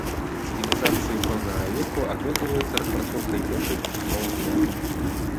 Цывілізацыі бронзавага веку адрозніваюцца распрацоўкай першых пісьмовых формаў.